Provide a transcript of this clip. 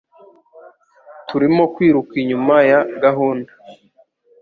Turimo kwiruka inyuma ya gahunda